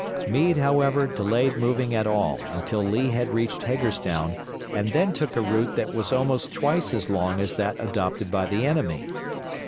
Meade, however, delayed moving at all until Lee had reached Hagerstown and then took a route that was almost twice as long as that adopted by the enemy.